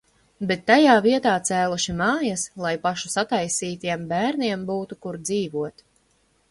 Bet tajā vietā cēluši mājas, lai pašu sataisītiem bērniem būtu, kur dzīvot.